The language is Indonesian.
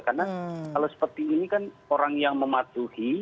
karena kalau seperti ini kan orang yang mematuhi